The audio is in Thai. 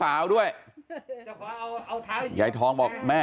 แม่ดิใจเมื่อลูกเมื่อไหวมาขอข้ามา